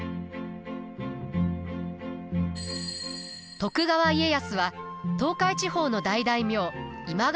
徳川家康は東海地方の大大名今川